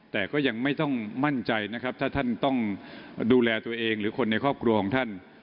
แต่ก็ยังไม่ต้องมั่นใจนะครับถ้าท่านต้องดูแลตัวเองหรือคนในครอบครัวของท่าน